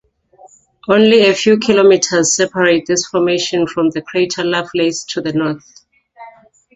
Only a few kilometers separate this formation from the crater Lovelace to the north.